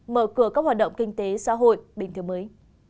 mở cửa các hoạt động kinh tế xã hội bình thường mới